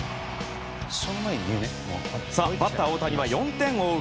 バッター大谷は、４点を追う